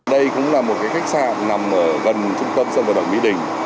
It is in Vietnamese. đây cũng là một khách sạn nằm gần trung tâm sân vận động mỹ đình